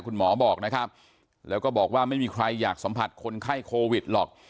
คุณหมอบอกนะครับแล้วก็บอกว่าไม่มีใครอยากสัมผัสคนไข้โควิดหรอก